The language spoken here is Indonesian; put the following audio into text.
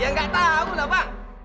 ya gak tau lah bang